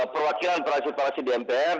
perwakilan perwakilan di mpr